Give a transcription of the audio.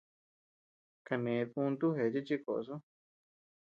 Kané düntuu jecheé chi koʼos ú.